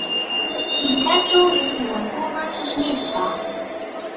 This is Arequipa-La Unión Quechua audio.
Ichachu riqsiwankuman nispa.